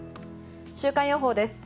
週間予報です。